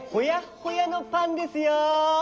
ほやのパンですよ。